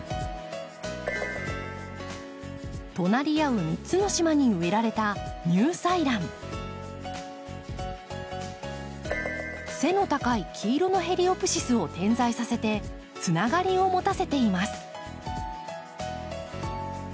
隣り合う３つの島に植えられた背の高い黄色のヘリオプシスを点在させてつながりを持たせています。